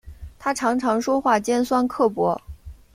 她常常说话尖酸刻薄